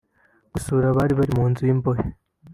Gusura abari mu nzu y’imbohe